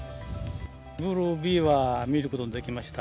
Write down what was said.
ブルービーは見ることができました。